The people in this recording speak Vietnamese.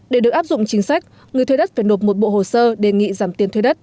để được áp dụng chính sách người thuê đất phải nộp một bộ hồ sơ đề nghị giảm tiền thuê đất